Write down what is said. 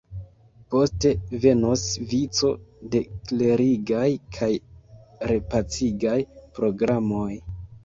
Poste venos vico da klerigaj kaj repacigaj programoj.